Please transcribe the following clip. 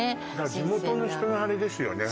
新鮮な地元の人のあれですよね